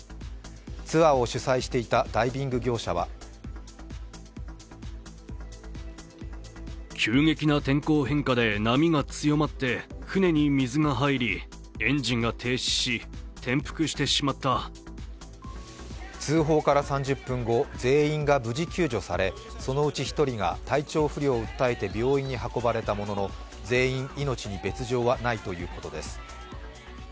ツアーを主催していたダイビング業者は通報から３０分後全員が無事救助されそのうち１人が体調不良を訴えて病院に運ばれたものの全員、命に別状はないということです。